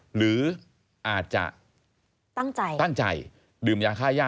หรืออาจจะตั้งใจดื่มยาค่าย่า